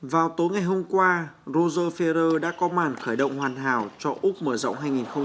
vào tối ngày hôm qua roger ferrer đã có màn khởi động hoàn hảo cho úc mở rộng hai nghìn một mươi tám